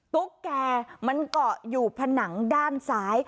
ตุ๊กแกมันเกาะอยู่ผนังด้านซ้าย